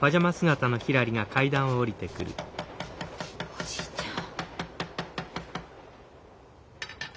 ・おじいちゃん。